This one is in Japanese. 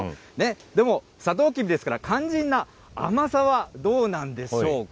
でも、さとうきびですから、肝心な甘さはどうなんでしょうか。